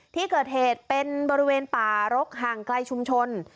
ที่เกิดเหตุเป็นบริเวณป่ารกห่างไกลชุมชน